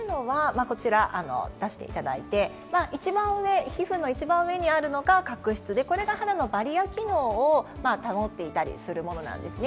こちら一番上、皮膚の一番上にあるのが角質で、それが肌のバリアー機能を保っていたりするものなんですね。